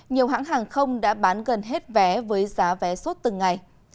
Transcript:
nhiều hãng hàng không đã bán gần hết vé với giá vé sốt từng ngày